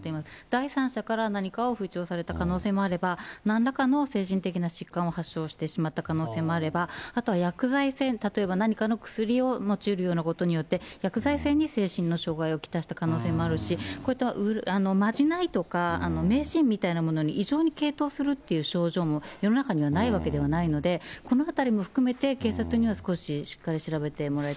第三者から何かを吹聴された可能性もあれば、なんらかの精神的な疾患を発症してしまった可能性もあれば、あとは薬剤性、例えば何かの薬を用いるようなことによって、薬剤性に精神の傷害を来した可能性もあるし、こういったまじないとか、迷信みたいなものに異常に傾倒するという症状が世の中にはないわけではないので、このあたりも含めて、警察には少し、しっかり調